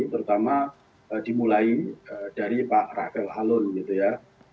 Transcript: terutama dimulai dari pak rafael halun gitu ya